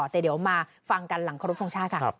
แต่เดี๋ยวมาฟังกันหลังครบทรงชาติค่ะ